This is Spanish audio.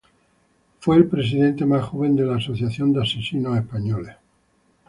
Fue el presidente más joven de la Asociación de Mataderos españoles.